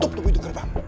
tutup teguh iduk bang